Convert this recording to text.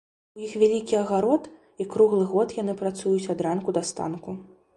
У іх вялікі агарод, і круглы год яны працуюць ад ранку да станку.